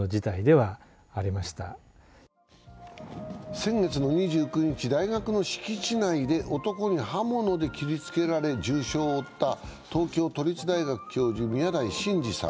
先月の２９日、大学の敷地内で男に刃物で切りつけられ重傷を負った東京都立大学教授宮台真司さん。